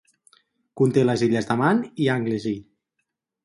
Conté les illes de Man i Anglesey.